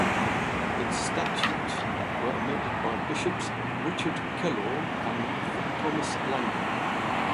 Its statutes were amended by Bishops Richard Kellaw and Thomas Langley.